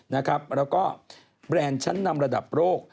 แล้วก็แบรนด์ชั้นนำระดับโลก